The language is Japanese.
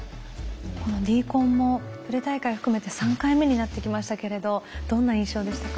このＤＣＯＮもプレ大会を含めて３回目になってきましたけれどどんな印象でしたか？